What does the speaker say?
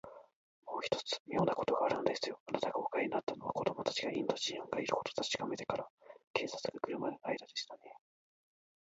もう一つ、みょうなことがあるのですよ。あなたがお帰りになったのは、子どもたちがインド人がいることをたしかめてから、警官がくるまでのあいだでしたね。